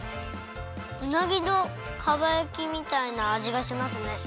ウナギのかば焼きみたいなあじがしますね。